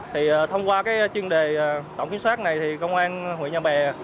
thì thông qua cái chuyên đề tổng kiểm soát này thì công an huyện nhà bè